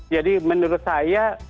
jadi menurut saya